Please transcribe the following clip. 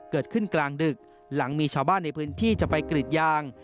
เกิดขึ้นกลางดึกหลังมีชาวบ้านในพื้นที่จะไปกรีดยาง